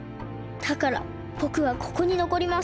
だからぼくはここにのこります。